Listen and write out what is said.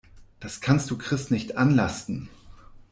Das kannst du Chris nicht anlasten.